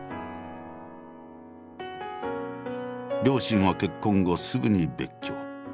両親は結婚後すぐに別居。